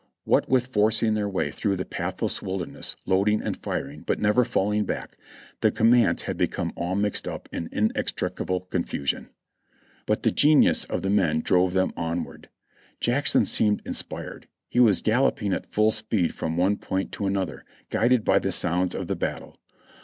What with forcing their way through the path less wilderness, loading and firing, but never falling back, the commands had become all mixed up in inextricable confusion, but the genius of the men drove them onward. Jackson seemed inspired; he was galloping at full speed from one point to an other, guided by the sounds of the battle.